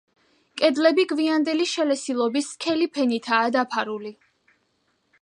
კედლები გვიანდელი შელესილობის სქელი ფენითაა დაფარული.